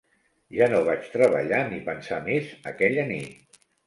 Ja no vaig treballar ni pensar més aquella nit.